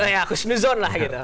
ya khusnuzon lah